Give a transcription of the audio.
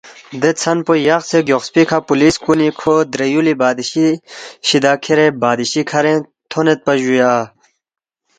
دے ژھن پو یقسے گیوخسپی کھہ پولیس کُنی کھو درے یُولی بادشی شِدیا کھیرے بادشی کَھرِنگ تھونیدپا جُویا